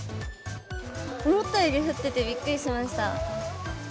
思ったより降っててびっくりしました。